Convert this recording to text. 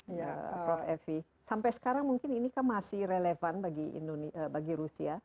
prof evi sampai sekarang ini mungkin masih relevan bagi rusia